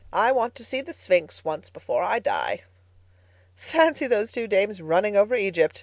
I want to see the Sphinx once before I die." "Fancy those two dames 'running over Egypt'!